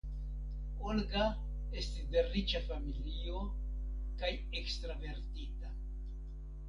Olga estis de riĉa familio kaj ekstravertita.